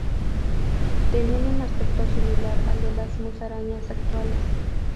Tenían un aspecto similar al de las musarañas actuales.